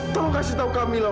tau kasih tau kamu van